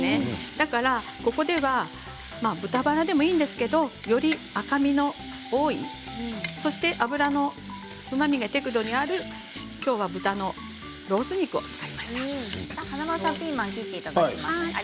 だからここでは豚ばら肉でもいいんですけれどもより赤身の多いそして脂のうまみが適度にある華丸さんピーマンを切っていただきました。